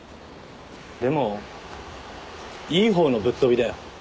でもいい方のぶっ飛びだよ。